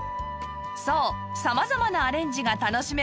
そう様々なアレンジが楽しめます